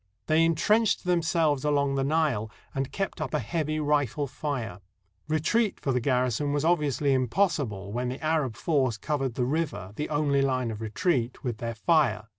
They intrenched themselves along the Nile, and kept up a heavy rifle fire. Retreat for the garrison was obviously impossible when the Arab force covered the river, the only hne of retreat, with their fire.